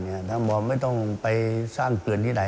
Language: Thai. เราบอกไม่ต้องไปสร้างเกือนที่ไหน